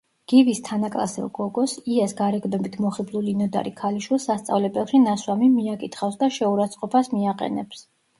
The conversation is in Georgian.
გივის თანაკლასელ გოგოს, იას გარეგნობით მოხიბლული ნოდარი ქალიშვილს სასწავლებელში ნასვამი მიაკითხავს და შეურაცხყოფას მიაყენებს.